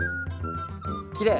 きれい。